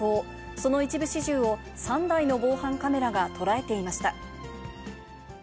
その一部始終を、３台の防犯カメラが捉えていました。